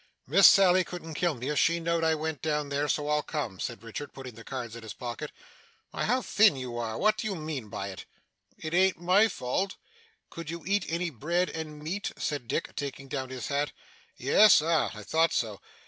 'Miss Sally couldn't kill me if she know'd I went down there, so I'll come,' said Richard, putting the cards into his pocket. 'Why, how thin you are! What do you mean by it?' 'It ain't my fault.' 'Could you eat any bread and meat?' said Dick, taking down his hat. 'Yes? Ah! I thought so.